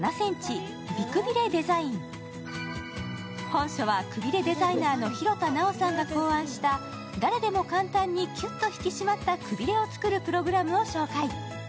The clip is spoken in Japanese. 本書はくびれデザイナーの廣田なおさんが考案した誰でも簡単にキュッと引き締まったくびれを作るプログラムを紹介。